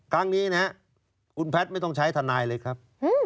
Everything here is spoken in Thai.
ครั้งนี้นะครับคุณแพทย์ไม่ต้องใช้ทนายเลยครับ